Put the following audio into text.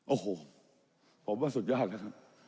โอ้โหผมว่าสุดยากนะครับ